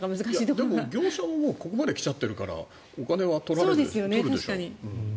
でも業者がここまで来ちゃっているからお金は取るでしょう。